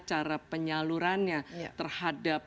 cara penyalurannya terhadap